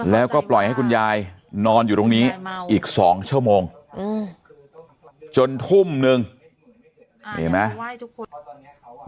แล้วก็ปล่อยให้คุณยายนอนอยู่ตรงนี้อีก๒ชั่วโมงจนทุ่มนึงเห็นไหม